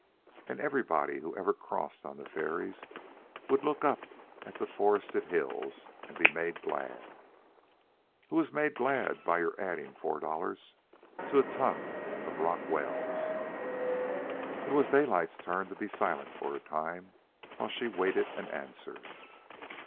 And everybody who ever crossed on the ferries would look up at these forested hills and be made glad. Who was made glad by your adding four dollars a ton to Rock Wells?" It was Daylight's turn to be silent for a time while she waited an answer.